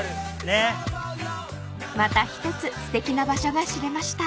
［また１つすてきな場所が知れました］